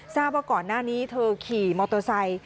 ทราบว่าก่อนหน้านี้เธอขี่มอเตอร์ไซค์